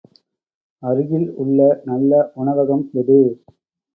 அருகில் உள்ள நல்ல உணவகம் எது?